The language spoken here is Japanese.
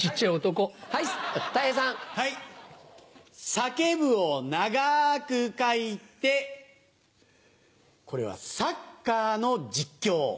「叫ぶ」を長く書いてこれはサッカーの実況。